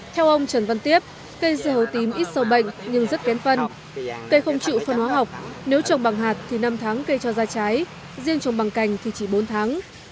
theo ông trần văn tiếp cây dưa hấu tím ít sâu bệnh nhưng rất kén phân cây không chịu phân hóa học nếu trồng bằng hạt thì năm tháng cây cho ra trái riêng trồng bằng cành thì chỉ bốn tháng